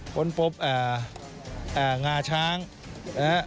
ค้นพบงาชาว